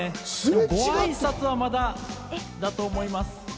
ごあいさつはまだだと思います。